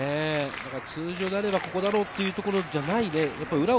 通常であればここだろうというところじゃないところで。